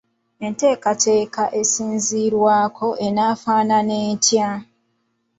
Enteekateeka esinziirwako enaafaanana etya?